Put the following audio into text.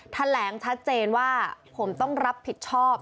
แถลงชัดเจนว่าผมต้องรับผิดชอบ